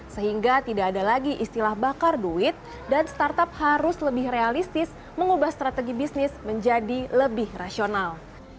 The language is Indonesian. sehingga tidak ada lagi istilah bakar duit dan startup harus lebih realistis mengubah strategi bisnis menjadi lebih rasional